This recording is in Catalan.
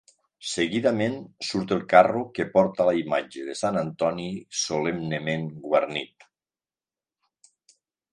Seguidament surt el carro que porta la imatge de sant Antoni solemnement guarnit.